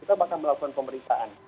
kita bahkan melakukan pemeriksaan